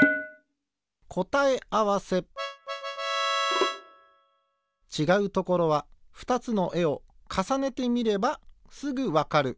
こたえあわせちがうところは２つのえをかさねてみればすぐわかる。